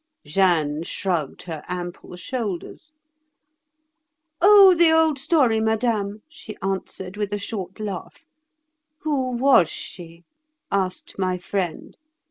Jeanne shrugged her ample shoulders. 'Oh! the old story, Madame,' she answered, with a short laugh. 'Who was she?' asked my friend.